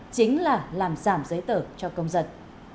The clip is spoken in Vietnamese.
chính là làm giảm giấy tờ cho công dân